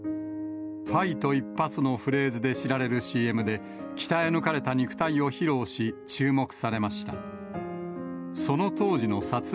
ファイト一発のフレーズで知られるＣＭで、鍛え抜かれた肉体を披露し、注目されました。